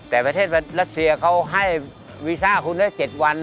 แต่ประเทศรัสเซียเขาให้วีซ่าคุณได้๗วัน